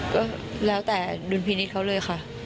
ก็แล้วแต่ดุลพินิษฐ์เขาเลยค่ะ